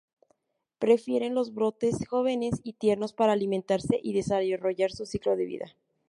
Prefieren los brotes jóvenes y tiernos para alimentarse y desarrollar su ciclo de vida.